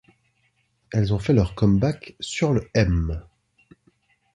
Elles ont fait leur comeback sur le M!